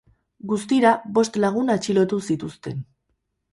Guztira, bost lagun atxilotu zituzten.